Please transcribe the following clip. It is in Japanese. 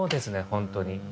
本当に。